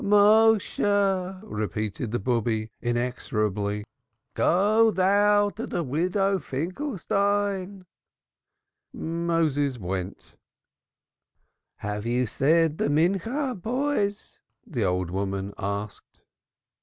"Méshe!" repeated the Bube inexorably. "Go thou to the Widow Finkelstein." Moses went. "Have you said the afternoon prayer, boys?" the old woman asked.